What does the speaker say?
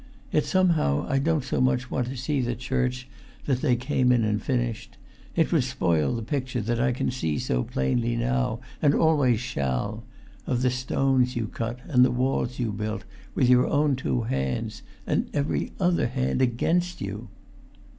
Yet somehow I don't so much want to see the church that they came in and finished; it would spoil the picture that I can see so plainly now, and always shall—of the stones you cut and the walls you built with your own two hands—and every other hand against you!"